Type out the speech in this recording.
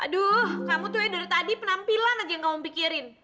aduh kamu tuh ya dari tadi penampilan aja yang kamu pikirin